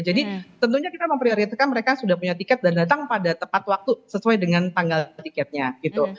jadi tentunya kita memprioritkan mereka sudah punya tiket dan datang pada tepat waktu sesuai dengan tanggal tiketnya gitu